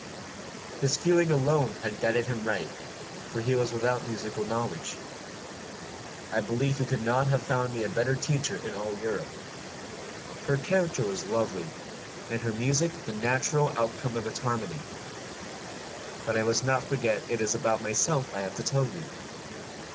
His feeling alone had guided him right, for he was without musical knowledge. I believe he could not have found me a better teacher in all Europe. Her character was lovely, and her music the natural outcome of its harmony. But I must not forget it is about myself I have to tell you.